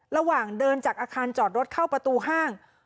ระหว่างเดินจากอาคารจอดรถเข้าประตูห้าง